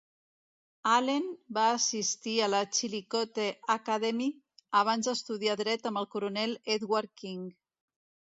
Allen va assistir a la Chillicothe Academy abans d'estudiar dret amb el coronel Edward King.